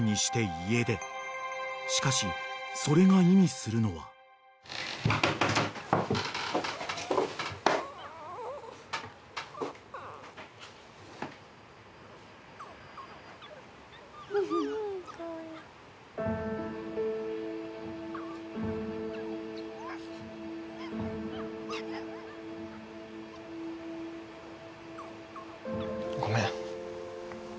［しかしそれが意味するのは］ごめん。